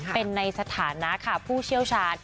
เป็นในสถานะค่ะผู้เชี่ยวชาญ